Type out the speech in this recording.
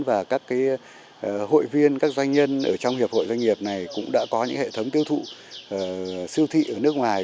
và các hội viên các doanh nhân ở trong hiệp hội doanh nghiệp này cũng đã có những hệ thống tiêu thụ siêu thị ở nước ngoài